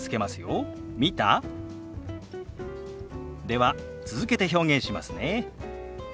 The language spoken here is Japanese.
では続けて表現しますね。